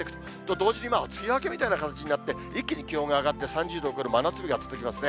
同時に梅雨明けみたいな形になって、一気に気温が上がって３０度を超える真夏日が続きますね。